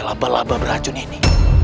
laba laba beracun ini